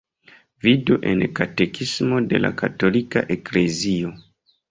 Vidu en Katekismo de la Katolika Eklezio.